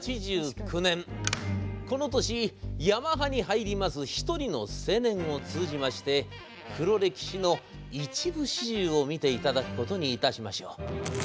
この年、ヤマハに入ります一人の青年を通じまして黒歴史の一部始終を見て頂くことにいたしましょう。